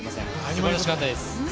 すばらしかったです。